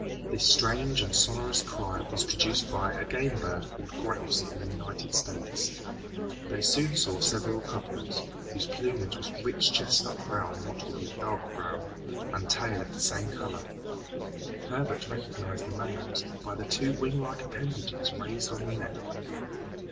This strange and sonorous cry was produced by a game bird called grouse in the United States. They soon saw several couples, whose plumage was rich chestnut brown mottled with dark brown, and tail of the same color. Herbert recognized the males by the two wing like appendages raised on the neck.